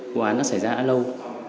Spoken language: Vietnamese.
cụ án đã xảy ra đã lâu